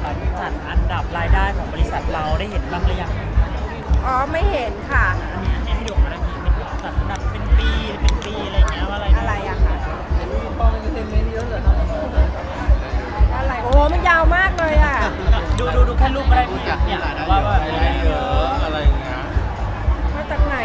ไหนอ่ะไม่รู้อ่ะไม่มีความเป็นจริงไม่มีความเป็นจริง